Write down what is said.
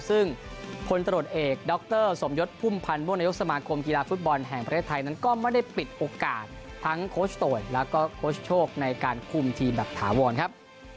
ซึ่งพลตรวจเอกดรสมยศพุ่มพันธ์ม่วงนายกสมาคมกีฬาฟุตบอลแห่งประเทศไทยนั้นก็ไม่ได้ปิดโอกาสทั้งโคชโตยแล้วก็โค้ชโชคในการคุมทีมแบบถาวรครับ